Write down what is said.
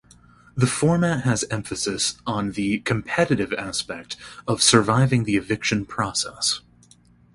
The format has emphasis on the competitive aspect of surviving the eviction process.